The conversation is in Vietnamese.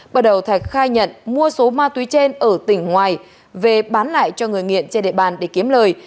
bắt đầu thạch khai nhận mua số ma túy trên ở tỉnh ngoài về bán lại cho người nghiện trên địa bàn để kiếm lời